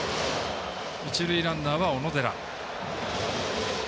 一塁ランナーは小野寺。